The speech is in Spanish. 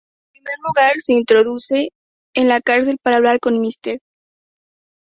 En primer lugar, se introduce en la cárcel para hablar con Mr.